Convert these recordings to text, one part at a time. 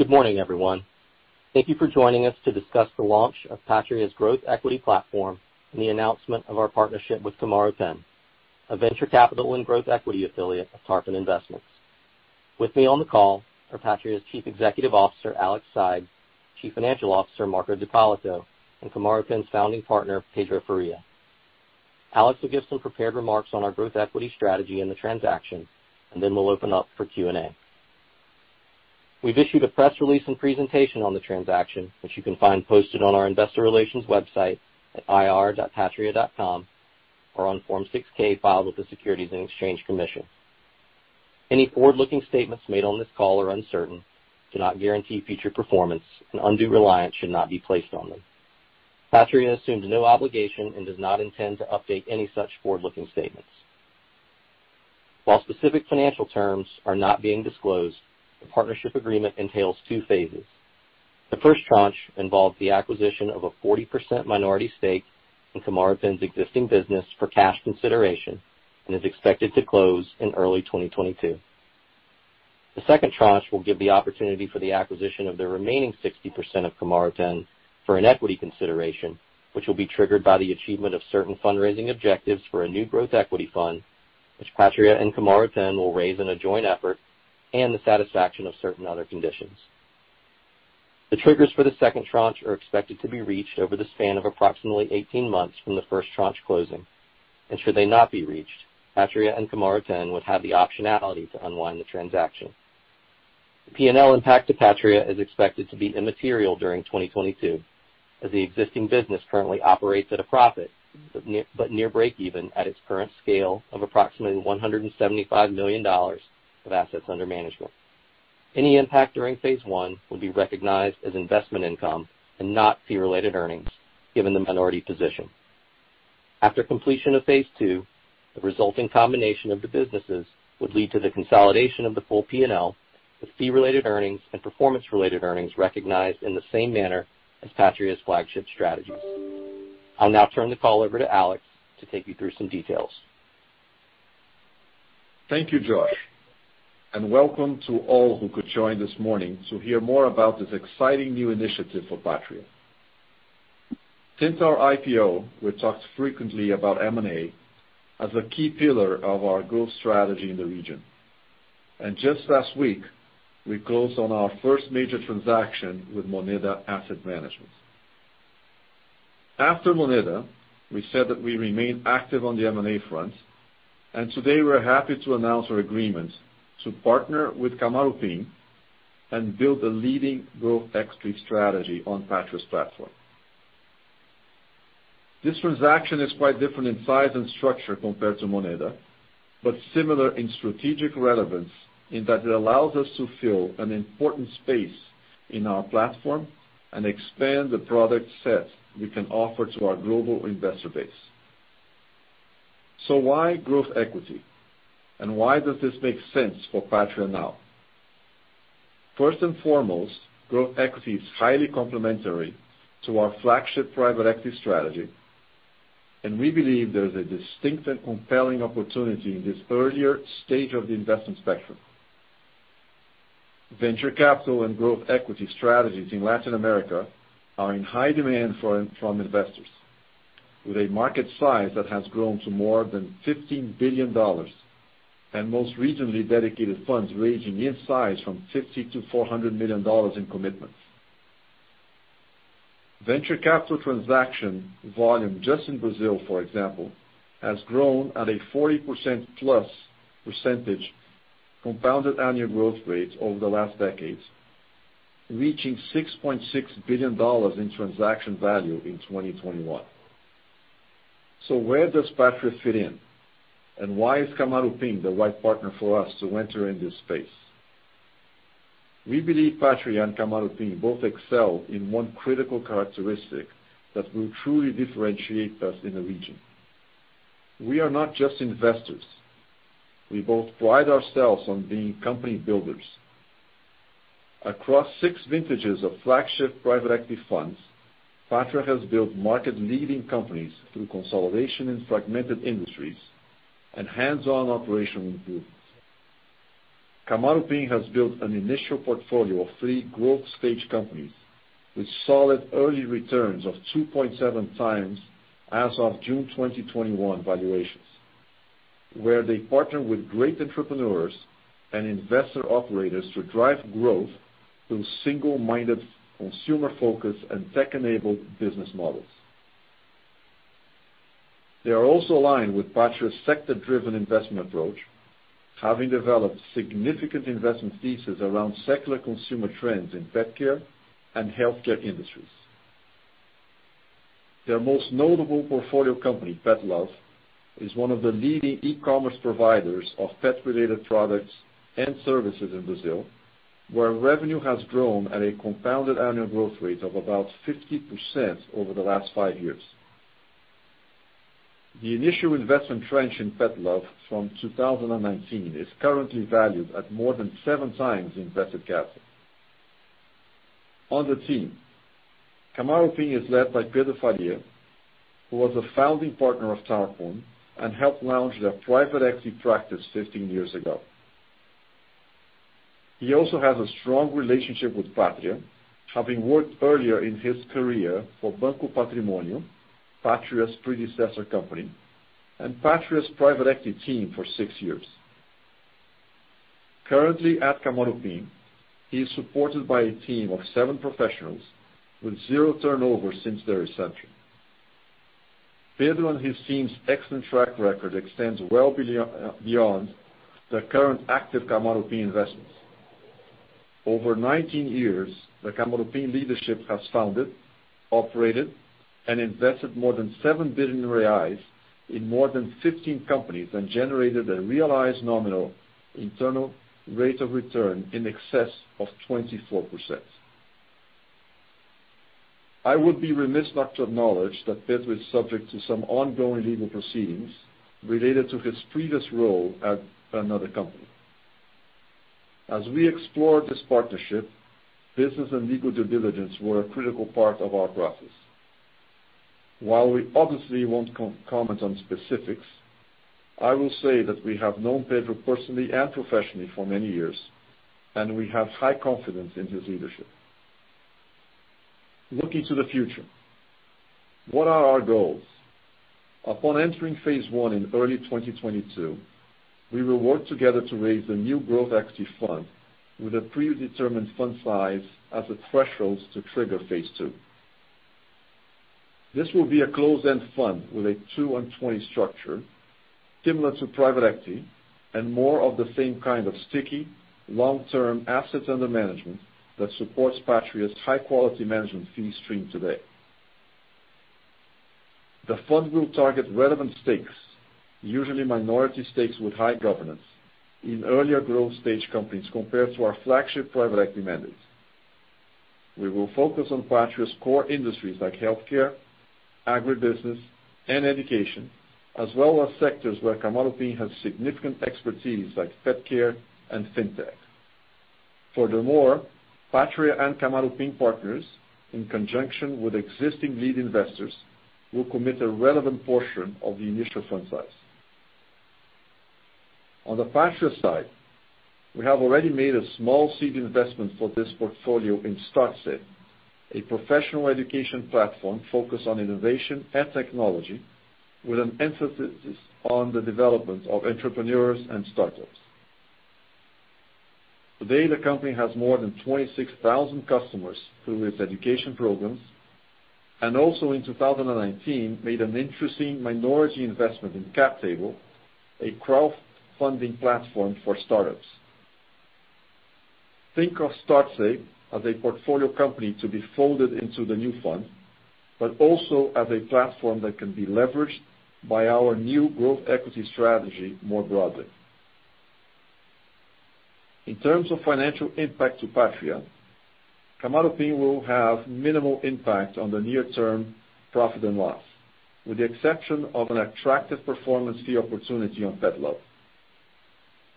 Good morning, everyone. Thank you for joining us to discuss the launch of Patria's growth equity platform and the announcement of our partnership with Kamaroopin, a venture capital and growth equity affiliate of Tarpon Investments. With me on the call are Patria's Chief Executive Officer, Alexandre Saigh, Chief Financial Officer, Marco D'Ippolito, and Kamaroopin's Founding Partner, Pedro Faria. Alex will give some prepared remarks on our growth equity strategy and the transaction, and then we'll open up for Q&A. We've issued a press release and presentation on the transaction, which you can find posted on our investor relations website at ir.patria.com or on Form 6-K filed with the Securities and Exchange Commission. Any forward-looking statements made on this call are uncertain, do not guarantee future performance, and undue reliance should not be placed on them. Patria assumes no obligation and does not intend to update any such forward-looking statements. While specific financial terms are not being disclosed, the partnership agreement entails two phases. The first tranche involves the acquisition of a 40% minority stake in Kamaroopin's existing business for cash consideration and is expected to close in early 2022. The second tranche will give the opportunity for the acquisition of the remaining 60% of Kamaroopin for an equity consideration, which will be triggered by the achievement of certain fundraising objectives for a new growth equity fund, which Patria and Kamaroopin will raise in a joint effort, and the satisfaction of certain other conditions. The triggers for the second tranche are expected to be reached over the span of approximately 18 months from the first tranche closing. Should they not be reached, Patria and Kamaroopin would have the optionality to unwind the transaction. The P&L impact to Patria is expected to be immaterial during 2022, as the existing business currently operates at a profit but near break even at its current scale of approximately $175 million of assets under management. Any impact during phase I will be recognized as investment income and not fee-related earnings, given the minority position. After completion of phase II, the resulting combination of the businesses would lead to the consolidation of the full P&L with fee-related earnings and performance-related earnings recognized in the same manner as Patria's flagship strategies. I'll now turn the call over to Alex to take you through some details. Thank you, Josh, and welcome to all who could join this morning to hear more about this exciting new initiative for Patria. Since our IPO, we've talked frequently about M&A as a key pillar of our growth strategy in the region. Just last week, we closed on our first major transaction with Moneda Asset Management. After Moneda, we said that we remain active on the M&A front, and today we're happy to announce our agreement to partner with Kamaroopin and build a leading growth equity strategy on Patria's platform. This transaction is quite different in size and structure compared to Moneda, but similar in strategic relevance in that it allows us to fill an important space in our platform and expand the product set we can offer to our global investor base. Why growth equity? Why does this make sense for Patria now? First and foremost, growth equity is highly complementary to our flagship private equity strategy, and we believe there's a distinct and compelling opportunity in this earlier stage of the investment spectrum. Venture capital and growth equity strategies in Latin America are in high demand from investors, with a market size that has grown to more than $15 billion, and most recently dedicated funds ranging in size from $50 million-$400 million in commitments. Venture capital transaction volume just in Brazil, for example, has grown at a 40%+ compounded annual growth rate over the last decade, reaching $6.6 billion in transaction value in 2021. Where does Patria fit in? Why is Kamaroopin the right partner for us to enter in this space? We believe Patria and Kamaroopin both excel in one critical characteristic that will truly differentiate us in the region. We are not just investors. We both pride ourselves on being company builders. Across six vintages of flagship private equity funds, Patria has built market-leading companies through consolidation in fragmented industries and hands-on operational improvements. Kamaroopin has built an initial portfolio of three growth stage companies with solid early returns of 2.7x as of June 2021 valuations, where they partner with great entrepreneurs and investor operators to drive growth through single-minded consumer focus and tech-enabled business models. They are also aligned with Patria's sector-driven investment approach, having developed significant investment thesis around secular consumer trends in pet care and healthcare industries. Their most notable portfolio company, Petlove, is one of the leading e-commerce providers of pet-related products and services in Brazil, where revenue has grown at a compound annual growth rate of about 50% over the last five years. The initial investment tranche in Petlove from 2019 is currently valued at more than seven times the invested capital. On the team, Kamaroopin is led by Pedro Faria, who was a founding partner of Tarpon and helped launch their private equity practice 15 years ago. He also has a strong relationship with Patria, having worked earlier in his career for Banco Patrimônio, Patria's predecessor company, and Patria's private equity team for six years. Currently at Kamaroopin, he is supported by a team of seven professionals with zero turnover since their inception. Pedro and his team's excellent track record extends well beyond the current active Kamaroopin investments. Over 19 years, the Kamaroopin leadership has founded, operated, and invested more than 7 billion reais in more than 15 companies and generated a realized nominal internal rate of return in excess of 24%. I would be remiss not to acknowledge that Pedro is subject to some ongoing legal proceedings related to his previous role at another company. As we explored this partnership, business and legal due diligence were a critical part of our process. While we obviously won't comment on specifics, I will say that we have known Pedro personally and professionally for many years, and we have high confidence in his leadership. Looking to the future, what are our goals? Upon entering phase I in early 2022, we will work together to raise a new growth equity fund with a predetermined fund size as a threshold to trigger phase I. This will be a closed-end fund with a two and 20 structure similar to private equity and more of the same kind of sticky, long-term assets under management that supports Patria's high-quality management fee stream today. The fund will target relevant stakes, usually minority stakes with high governance in earlier growth stage companies compared to our flagship private equity mandates. We will focus on Patria's core industries like healthcare, agribusiness, and education, as well as sectors where Kamaroopin has significant expertise like pet care and fintech. Furthermore, Patria and Kamaroopin partners, in conjunction with existing lead investors, will commit a relevant portion of the initial fund size. On the Patria side, we have already made a small seed investment for this portfolio in StartSe, a professional education platform focused on innovation and technology with an emphasis on the development of entrepreneurs and startups. Today, the company has more than 26,000 customers through its education programs. Also in 2019 made an interesting minority investment in CapTable, a crowdfunding platform for startups. Think of StartSe as a portfolio company to be folded into the new fund, but also as a platform that can be leveraged by our new growth equity strategy more broadly. In terms of financial impact to Patria, Kamaroopin will have minimal impact on the near-term profit and loss, with the exception of an attractive performance fee opportunity on Petlove.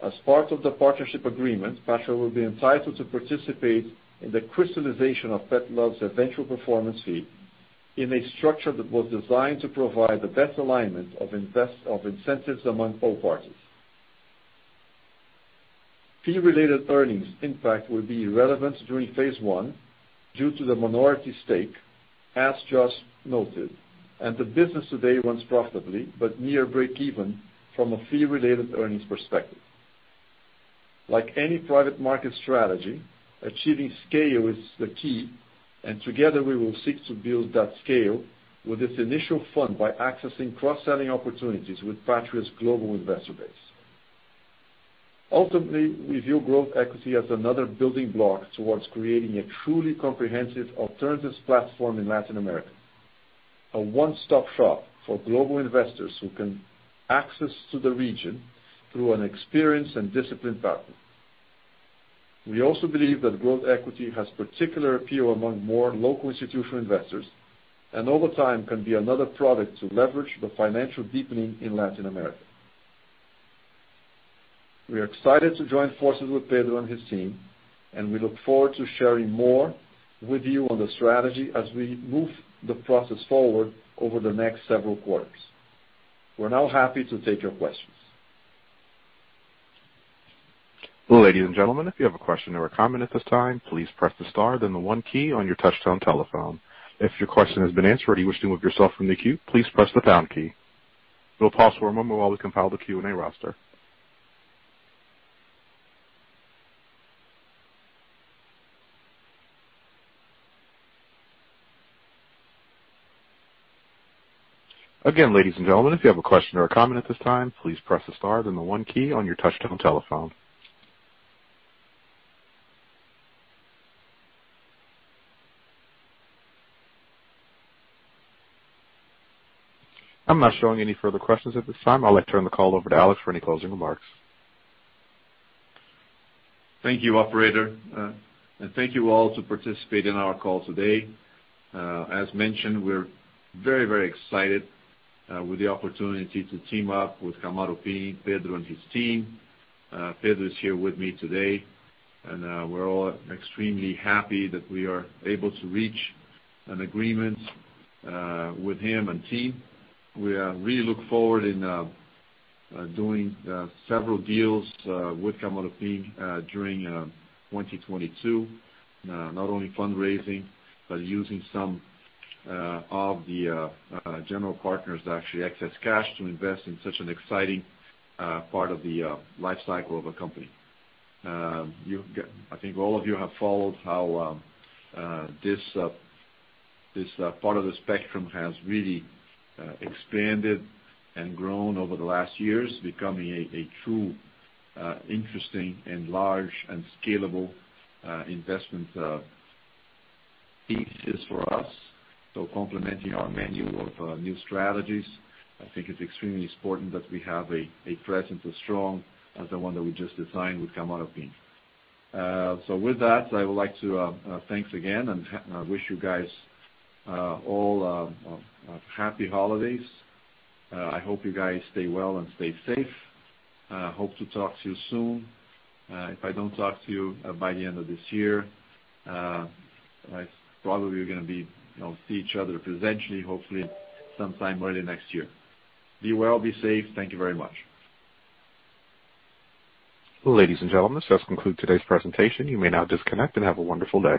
As part of the partnership agreement, Patria will be entitled to participate in the crystallization of Petlove's eventual performance fee in a structure that was designed to provide the best alignment of of incentives among all parties. Fee-related earnings impact will be irrelevant during phase I due to the minority stake, as just noted, and the business today runs profitably but near breakeven from a fee-related earnings perspective. Like any private market strategy, achieving scale is the key, and together we will seek to build that scale with its initial fund by accessing cross-selling opportunities with Patria's global investor base. Ultimately, we view growth equity as another building block towards creating a truly comprehensive alternatives platform in Latin America, a one-stop shop for global investors who can access to the region through an experienced and disciplined partner. We also believe that growth equity has particular appeal among more local institutional investors and over time can be another product to leverage the financial deepening in Latin America. We are excited to join forces with Pedro and his team, and we look forward to sharing more with you on the strategy as we move the process forward over the next several quarters. We're now happy to take your questions. Ladies and gentlemen if you have a question or comment at this time please press the star then the one key on your touchtone telephone. If your question has been answered or you're excusing yourself from the que, please press the tone key. We'll pause for a while as we compile the Q&A roster. Ok ladies and gentlemen if you have a question or comment at this time please press the star then one key on your touchtone telephone. I'm not showing any further questions at this time. I'll now turn the call over to Alex for any closing remarks. Thank you, operator. Thank you all to participate in our call today. As mentioned, we're very, very excited with the opportunity to team up with Kamaroopin, Pedro and his team. Pedro is here with me today, and we're all extremely happy that we are able to reach an agreement with him and his team. We really look forward in doing several deals with Kamaroopin during 2022. Not only fundraising, but using some of the general partners' actually excess cash to invest in such an exciting part of the life cycle of a company. I think all of you have followed how this part of the spectrum has really expanded and grown over the last years, becoming a true interesting and large and scalable investment piece it is for us. Complementing our menu of new strategies, I think it's extremely important that we have a presence as strong as the one that we just signed with Kamaroopin. With that, I would like to thanks again and wish you guys all a happy holidays. I hope you guys stay well and stay safe. Hope to talk to you soon. If I don't talk to you by the end of this year, probably we're gonna, you know, see each other in person hopefully sometime early next year. Be well, be safe. Thank you very much. Ladies and gentlemen, this does conclude today's presentation. You may now disconnect and have a wonderful day.